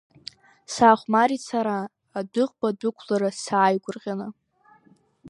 Саахәмарит сара, адәыӷба адәықәлара сааигәырӷьаны.